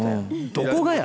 どこがや？